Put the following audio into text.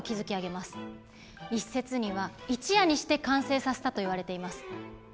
一説には一夜にして完成させたといわれています。